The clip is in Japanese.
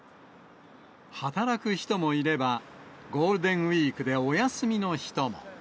働く人もいれば、ゴールデンウィークでお休みの人も。